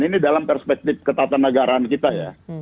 ini dalam perspektif ketatanegaraan kita ya